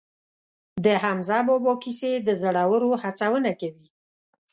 د حمزه بابا کیسې د زړورو هڅونه کوي.